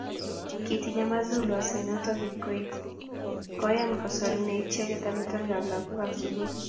Kitiny Amazulu asenoto ib koit koyan kosorune icheget amitwogikab lagokab sukul